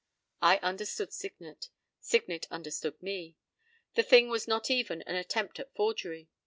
"—I understood Signet. Signet understood me. The thing was not even an attempt at forgery.